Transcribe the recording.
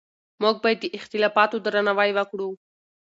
موږ باید د اختلافاتو درناوی وکړو.